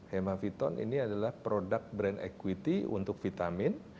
hemaviton ini adalah produk brand equity untuk vitamin